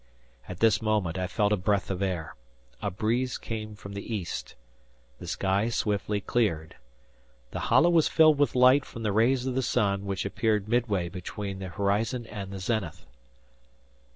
At this moment I felt a breath of air; a breeze came from the east. The sky swiftly cleared. The hollow was filled with light from the rays of the sun which appeared midway between the horizon and the zenith.